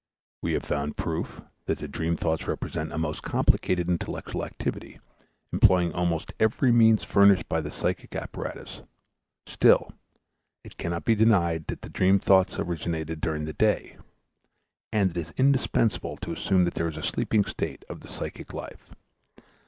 We have found proof that the dream thoughts represent a most complicated intellectual activity, employing almost every means furnished by the psychic apparatus; still it cannot be denied that these dream thoughts have originated during the day, and it is indispensable to assume that there is a sleeping state of the psychic life.